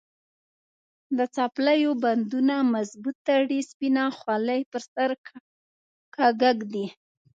د څپلیو بندونه مضبوط تړي، سپینه خولې پر سر کږه ږدي.